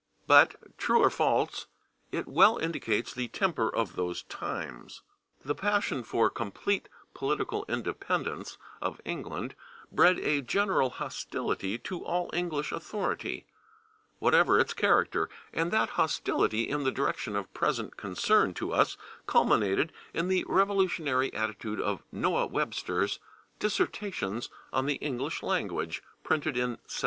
But, true or false, it well indicates the temper of those times. The passion for complete political independence of England bred a general hostility to all English authority, whatever its character, and that hostility, in the direction of present concern to us, culminated in the revolutionary attitude of Noah Webster's "Dissertations on the English Language," printed in 1789.